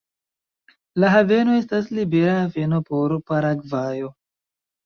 La haveno estas libera haveno por Paragvajo.